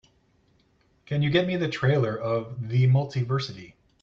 can you get me the trailer of The Multiversity?